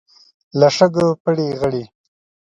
له شګو پړي غړي.